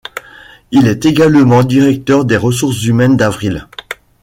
Il est également directeur des ressources humaines d'Avril.